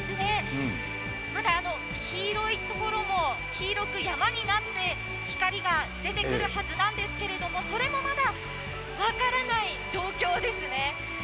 まだ黄色いところも、黄色く山になって光が出てくるはずなんですけどそれもまだ分からない状況ですね。